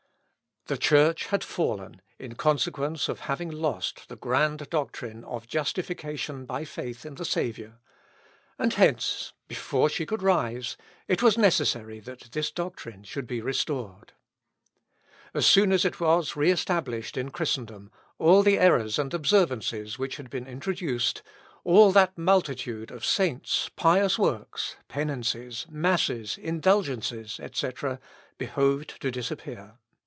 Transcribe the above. The Church had fallen in consequence of having lost the grand doctrine of Justification by faith in the Saviour; and hence, before she could rise, it was necessary that this doctrine should be restored. As soon as it was re established in Christendom, all the errors and observances which had been introduced, all that multitude of saints, pious works, penances, masses, indulgences, etc., behoved to disappear.